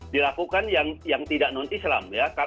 dilakukan yang tidak non islam